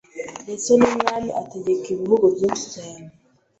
Ndetse ni umwami ategeka ibihugu byinshi cyane